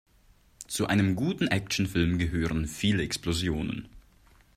Zu einem guten Actionfilm gehören viele Explosionen.